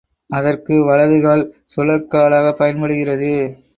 அதற்கு வலது கால் சுழற்காலாகப் பயன்படுகிறது.